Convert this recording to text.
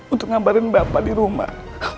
untuk ngabarin bapak di rumah